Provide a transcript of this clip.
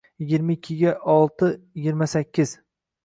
Yigirma ikkiga olti — yigirma sakkiz.